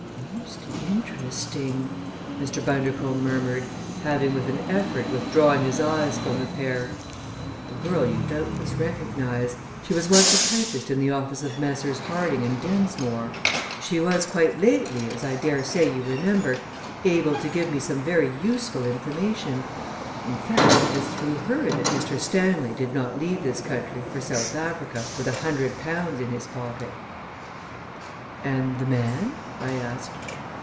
"Most interesting!" Mr. Bundercombe murmured, having with an effort withdrawn his eyes from the pair. "The girl you doubtless recognize. She was once a typist in the office of Messrs. Harding & Densmore. She was quite lately, as I dare say you remember, able to give me some very useful information; in fact it is through her that Mr. Stanley did not leave this country for South Africa with a hundred pounds in his pocket." "And the man?" I asked.